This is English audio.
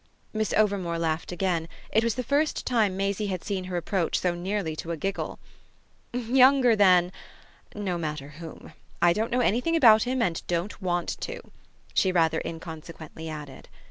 Miss Overmore laughed again; it was the first time Maisie had seen her approach so nearly to a giggle. "Younger than no matter whom. I don't know anything about him and don't want to," she rather inconsequently added.